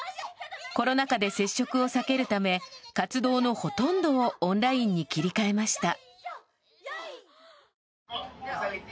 コロナ禍で接触を避けるため活動のほとんどをオンラインに切り替えました。